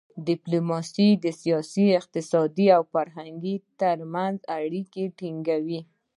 ډیپلوماسي د سیاست، اقتصاد او فرهنګ ترمنځ اړیکه ټینګوي.